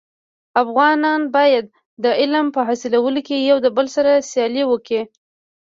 افغانان باید د علم په حاصلولو کي يو دبل سره سیالي وکړي.